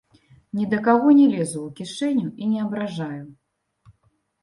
Ні да каго не лезу ў кішэню і не абражаю.